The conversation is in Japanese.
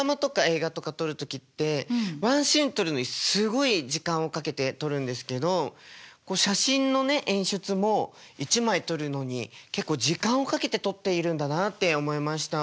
映画とか撮る時ってワンシーン撮るのにすごい時間をかけて撮るんですけど写真のね演出も一枚撮るのに結構時間をかけて撮っているんだなって思いました。